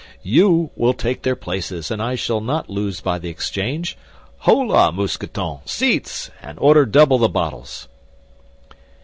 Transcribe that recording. You will take their places and I shall not lose by the exchange. Holà, Mousqueton, seats, and order double the bottles!"